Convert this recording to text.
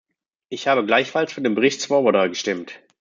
Ich habe gleichfalls für den Bericht Swoboda gestimmt.